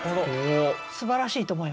すばらしいと思います。